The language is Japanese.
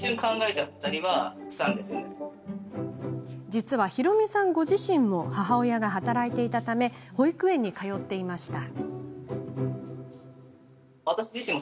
実は、宏美さんご自身も母親が働いていたため保育園に通っていました。